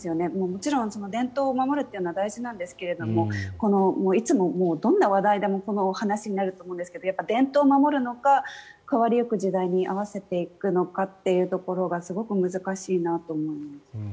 もちろん、伝統を守るというのは大事なのですがいつもどんな話題でもこの話になると思うんですが伝統を守るのか変わりゆく時代に合わせていくのかというところがすごく難しいなと思います。